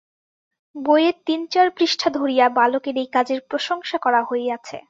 বই-এর তিন-চার পৃষ্ঠা ধরিয়া বালকের এই কাজের প্রশংসা করা হইয়াছে।